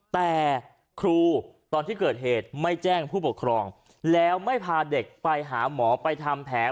แต่ครูตอนที่เกิดเหตุไม่แจ้งผู้ปกครองแล้วไม่พาเด็กไปหาหมอไปทำแผน